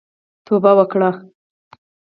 توبه وکړئ